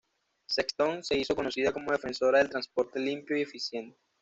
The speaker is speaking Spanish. Sexton se hizo conocida como defensora del transporte limpio y eficiente.